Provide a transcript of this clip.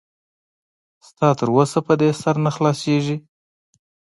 ستا تر اوسه په دې سر نه خلاصېږي.